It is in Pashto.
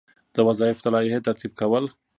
د وظایفو د لایحې ترتیب کول.